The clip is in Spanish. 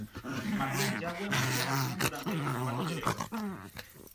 Matías Yagüe murió en acción durante los combates del Ebro.